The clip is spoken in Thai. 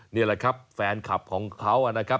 นี่แหละครับแฟนคับของเขา